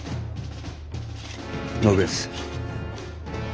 信康。